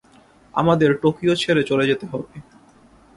আমাদের টোকিও ছেড়ে চলে যেতে হবে।